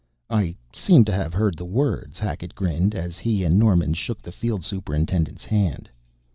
"I seem to have heard the words," Hackett grinned, as he and Norman shook the field superintendent's hand.